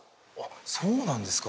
そうなんですか。